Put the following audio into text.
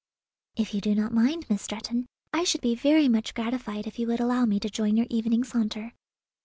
"If you do not mind, Miss Stretton, I should be very much gratified if you would allow me to join your evening saunter."